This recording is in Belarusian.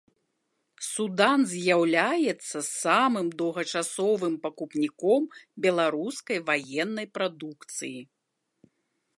Судан з'яўляецца самым доўгачасовым пакупніком беларускай ваеннай прадукцыі.